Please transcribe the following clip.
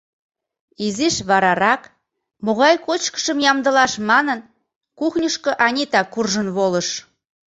Изиш варарак, могай кочкышым ямдылаш манын, кухньышко Анита куржын волыш.